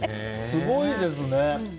すごいですね。